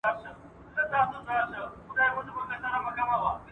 اجتماعي حقیقت د فردي تجربو په پرتله ډیر پراخه تمامیږي.